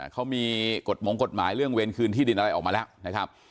เขามีกฎหมายเรื่องเวรคืนที่ดินอะไรออกมาแล้วนะครับ